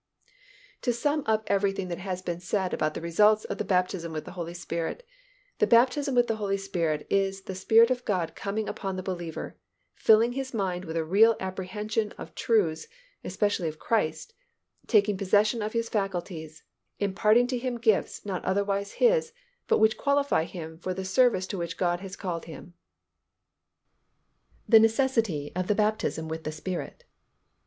To sum up everything that has been said about the results of the baptism with the Holy Spirit; _the baptism with the Holy Spirit is the Spirit of God coming upon the believer, filling his mind with a real apprehension of truths, especially of Christ, taking possession of his faculties, imparting to him gifts not otherwise his but which qualify him for the service to which God has called him._ THE NECESSITY OF THE BAPTISM WITH THE SPIRIT.